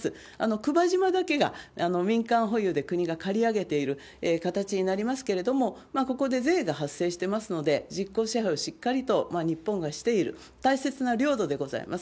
くば島だけが民間保有で国が借り上げている形になりますけれども、ここで税が発生してますので、実効支配を日本がしている、大切な領土でございます。